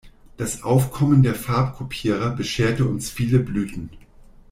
Das Aufkommen der Farbkopierer bescherte uns viele Blüten.